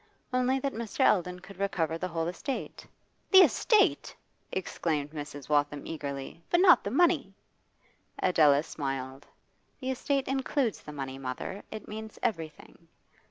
'Only that Mr. Eldon could recover the whole estate.' 'The estate!' exclaimed Mrs. Waltham eagerly. 'But not the money?' Adela smiled. 'The estate includes the money, mother. It means everything.